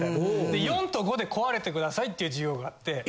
で４と５で壊れて下さいっていう授業があって。